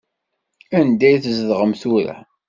Anda i tzedɣem tura?